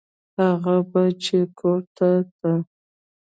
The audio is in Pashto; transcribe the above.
هغه به چې کور ته ته.